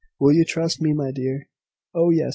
Will you trust me, my dear?" "Oh, yes!"